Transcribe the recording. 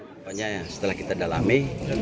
makanya setelah kita dalami